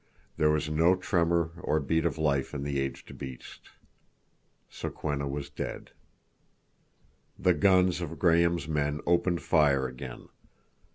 There was no tremor or beat of life in the aged beast. Sokwenna was dead. The guns of Graham's men opened fire again.